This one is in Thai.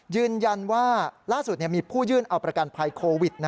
ยืนยันว่าล่าสุดมีผู้ยื่นเอาประกันภัยโควิด